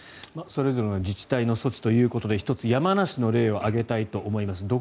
それぞれの自治体の措置ということで１つ、山梨の例を挙げたいと思います。